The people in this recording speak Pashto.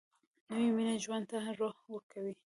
نوې مینه ژوند ته روح ورکوي